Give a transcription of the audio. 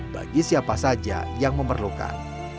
bagi siapa saja yang memerlukan